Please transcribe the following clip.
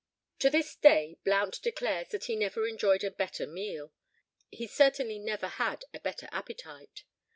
To this day Blount declares that he never enjoyed a better meal; he certainly never had a better appetite.